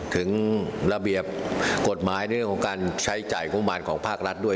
ถึงระเบียบกฎหมายในเรื่องของการใช้จ่ายงบมารของภาครัฐด้วย